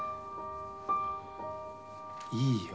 いいよ